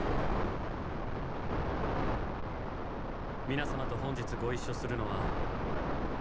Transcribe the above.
皆様と本日ご一緒するのは。